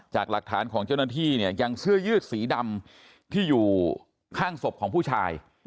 จากหลักฐานของเจ้าหน้าที่เนี่ยยังเสื้อยืดสีดำที่อยู่ข้างศพของผู้ชาย